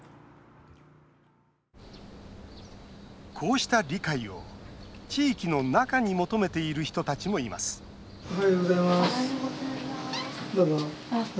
こうした理解を地域の中に求めている人たちもいますおはようございます。